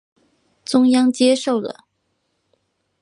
中央接受了。